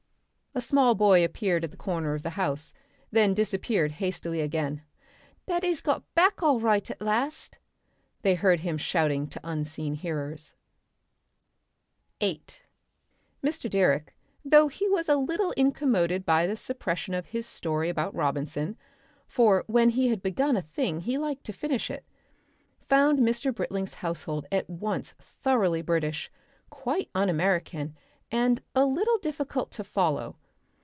A small boy appeared at the corner of the house, and then disappeared hastily again. "Daddy's got back all right at last," they heard him shouting to unseen hearers. Section 8 Mr. Direck, though he was a little incommoded by the suppression of his story about Robinson for when he had begun a thing he liked to finish it found Mr. Britling's household at once thoroughly British, quite un American and a little difficult to follow.